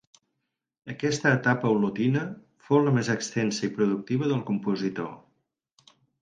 Aquesta etapa olotina fou la més extensa i productiva del compositor.